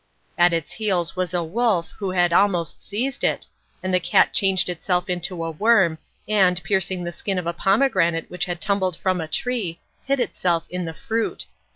At its heels was a wolf, who had almost seized it, when the cat changed itself into a worm, and, piercing the skin of a pomegranate which had tumbled from a tree, hid itself in the fruit.